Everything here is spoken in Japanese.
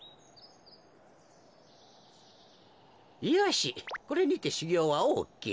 よしこれにてしゅぎょうはオーケー。